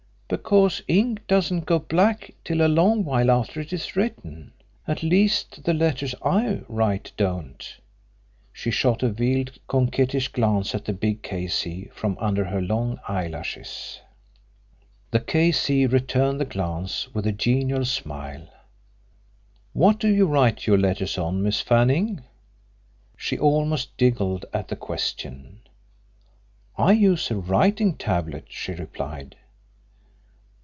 "Because ink doesn't go black till a long while after it is written. At least, the letters I write don't." She shot a veiled coquettish glance at the big K.C. from under her long eyelashes. The K.C. returned the glance with a genial smile. "What do you write your letters on, Miss Fanning?" She almost giggled at the question. "I use a writing tablet," she replied.